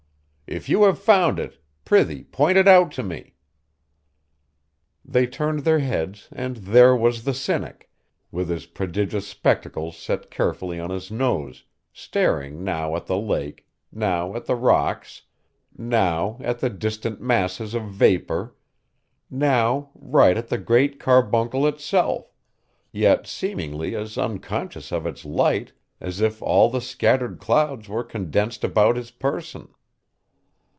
If you have found it, prithee point it out to me.' They turned their heads, and there was the Cynic, with his prodigious spectacles set carefully on his nose, staring now at the lake, now at the rocks, now at the distant masses of vapor, now right at the Great Carbuncle itself, yet seemingly as unconscious of its light as if all the scattered clouds were condensed about his person.